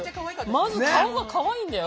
まず顔がかわいいんだよ。